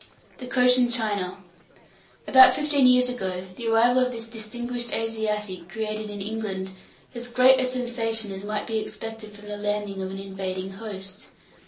[Illustration: COCHIN CHINAS.] THE COCHIN CHINA. About fifteen years ago, the arrival of this distinguished Asiatic created in England as great a sensation as might be expected from the landing of an invading host.